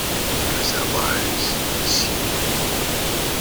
But is that wise, monsieur?